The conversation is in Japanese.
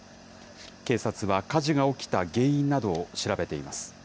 警察は火事が起きた原因などを調べています。